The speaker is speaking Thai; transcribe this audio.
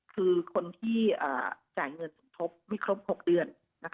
คือคนที่จ่ายเงินสมทบไม่ครบ๖เดือน